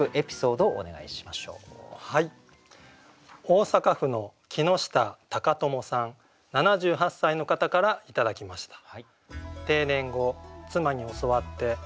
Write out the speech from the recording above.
大阪府の木下貴友さん７８歳の方から頂きました。